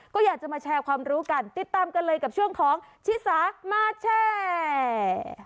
ก็อยากจะมาแชร์ความรู้กันติดตามกันเลยกับช่วงของชิสามาแชร์